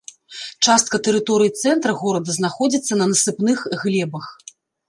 Частка тэрыторыі цэнтра горада знаходзіцца на насыпных глебах.